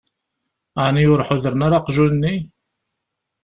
Ɛni ur ḥudren ara aqjun-nni?